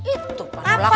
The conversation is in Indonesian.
itu pak blak